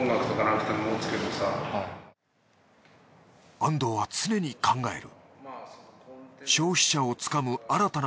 安藤は常に考える。